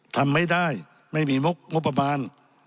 ทำไม่ได้ไม่มีงบประมาณ